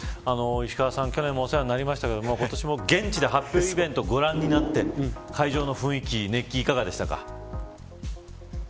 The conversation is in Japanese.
石川さん、去年もお世話になりましたが今年も現地で発表イベントをご覧になって会場の雰囲気や熱気はどうでしたか。